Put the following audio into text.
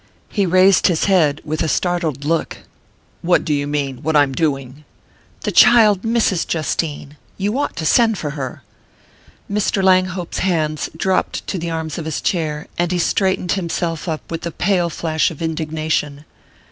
He raised his head with a startled look. "What do you mean what I'm doing?" "The child misses Justine. You ought to send for her." Mr. Langhope's hands dropped to the arms of his chair, and he straightened himself up with a pale flash of indignation.